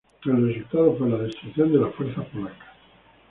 El resultado fue la destrucción de las fuerzas polacas.